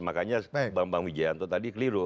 makanya bambang wijayanto tadi keliru